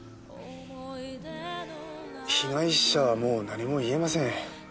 被害者はもう何も言えません。